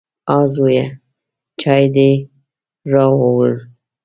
_ها زويه، چای دې راووړ؟